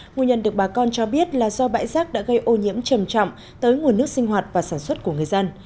nguyên nhân được bà con cho biết là do bãi rác đã gây ô nhiễm trầm trọng tới nguồn nước sinh hoạt và sản xuất của người dân